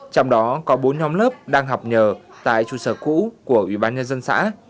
trong đó có bốn nhóm lớp đang học nhờ tại trụ sở cũ của ủy ban nhân dân xã